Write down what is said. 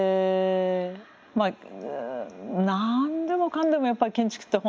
何でもかんでもやっぱり建築って